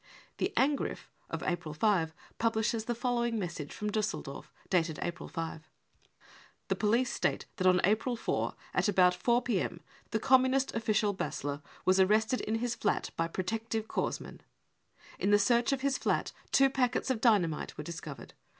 55 II The Angriff of Ap^il 5 publishes the following message from Diisseldorf, dated April 5 : cc The police state that on April 4, at about 4 p.m. (!) the Communist official Bassler was arrested in his flat by protective corps men. In the search of his flat two packets of dynamite were discovered.